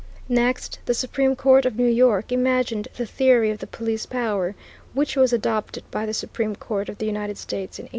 Next the Supreme Court of New York imagined the theory of the Police Power, which was adopted by the Supreme Court of the United States in 1837.